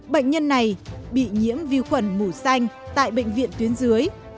bệnh nhân này bị nhiễm vi khuẩn mù xanh tại bệnh viện tuyến dưới